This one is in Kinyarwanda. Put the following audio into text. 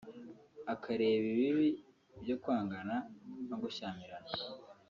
akareba ibibi byo kwangana no gushyamirana